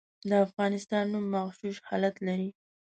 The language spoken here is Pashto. د افغانستان نوم مغشوش حالت لري.